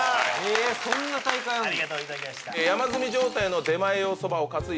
そんな大会あるんだ。